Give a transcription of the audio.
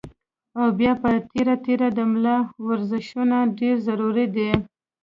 او بيا پۀ تېره تېره د ملا ورزشونه ډېر ضروري دي